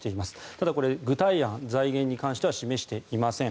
ただこれ具体案、財源に関しては示していません。